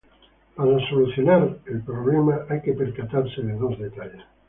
Para soluciones el problema hay que percatarse de dos detalles.